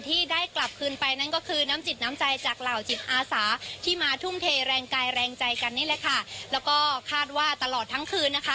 ที่มาทุ่มเทแรงกายแรงใจกันนี่แหละค่ะแล้วก็คาดว่าตลอดทั้งคืนนะคะ